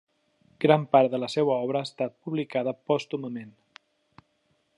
Gran part de la seua obra ha estat publicada pòstumament.